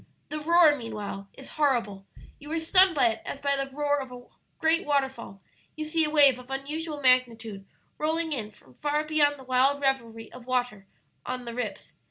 The roar, meanwhile, is horrible. You are stunned by it as by the roar of a great waterfall. You see a wave of unusual magnitude rolling in from far beyond the wild revelry of waters on 'The Rips.'